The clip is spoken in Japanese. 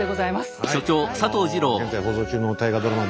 現在放送中の大河ドラマ